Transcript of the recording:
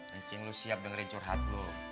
mancing lu siap dengerin curhat lu